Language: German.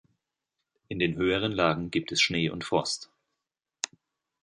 In den höheren Lagen gibt es Schnee und Frost.